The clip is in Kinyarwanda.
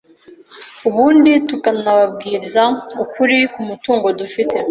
ubundi tukanababwiza ukuri ku mutungo dufite